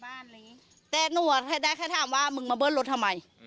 ไม่ถามแต่นู้นแค่ถามว่ามึงมาเบิร์นรถทำไม